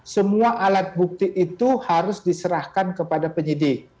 semua alat bukti itu harus diserahkan kepada penyidik